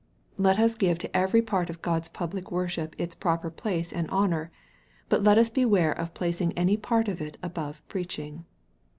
Let us give to every part of Grod's public worship its proper place and honor x but let us beware of placing any part of it above preaching.